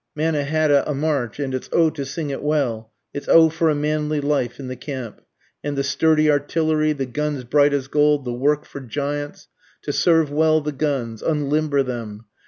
Mannahatta a march and it's O to sing it well! It's O for a manly life in the camp. And the sturdy artillery, The guns bright as gold, the work for giants, to serve well the guns, Unlimber them!